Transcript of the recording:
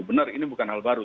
benar ini bukan hal baru